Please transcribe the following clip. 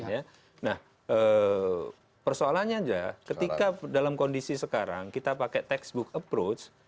nah persoalannya aja ketika dalam kondisi sekarang kita pakai textbook approach